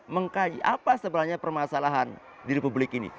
mengkaji apa sebenarnya permasalahan diri publik ini